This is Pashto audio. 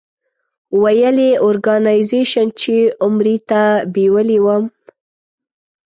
ویل یې اورګنایزیش چې عمرې ته بېولې وم.